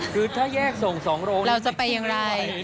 คือถ้าแยกส่ง๒โรงเราจะไปอย่างไร